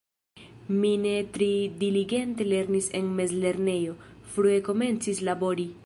Mi ne tre diligente lernis en mezlernejo, frue komencis labori.